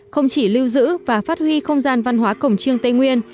không chỉ lưu giữ và phát huy không gian văn hóa cổng trương tây nguyên